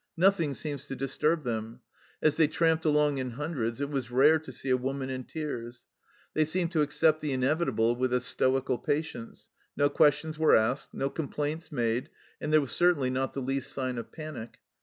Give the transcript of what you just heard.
Nothing seems to disturb them. As they tramped along in hundreds it was rare to see a woman in tears. They seemed to accept the inevitable with a stoical patience ; no questions were asked, no com plaints made, and there was certainly not the least sign of panic.